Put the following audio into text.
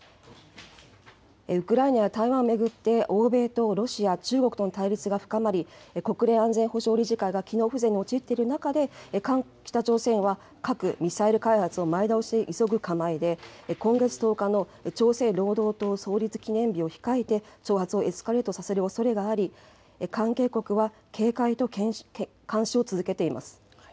ウクライナや台湾を巡って、欧米とロシア、中国との対立が深まり、国連安全保障理事会が機能不全に陥っている中で、北朝鮮は核・ミサイル開発を前倒しで急ぐ構えで、今月１０日の朝鮮労働党創立記念日を控えて挑発をエスカレートさせるおそれがあり、関係国は警戒と監視を続けています。